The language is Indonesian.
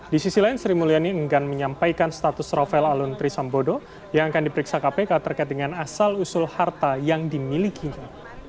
di sisi lain sri mulyani enggan menyampaikan status rafael aluntri sambodo yang akan diperiksa kpk terkait dengan asal usul harta yang dimilikinya